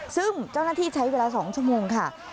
ซึ่งเจ้าหน้าที่ใช้เวลา๒ชั่วโมงค่ะ